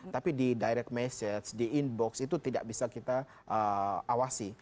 tapi di direct message di inbox itu tidak bisa kita awasi